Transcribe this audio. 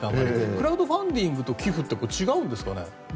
クラウドファンディングと寄付って違うんですかね。